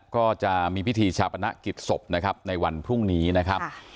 ก็จะมีพิธีชาปนกิจศพนะครับในวันพรุ่งนี้นะครับ